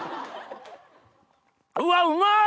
うわうまい！